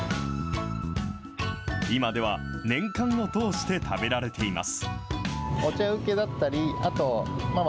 今では、年間を通して食べられています。